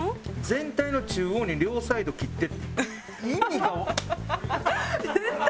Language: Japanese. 「全体の中央に両サイド切って」。